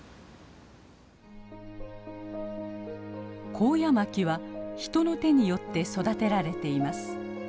コウヤマキは人の手によって育てられています。